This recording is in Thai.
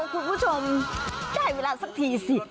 คุณผู้ชมได้เวลาสักทีสิ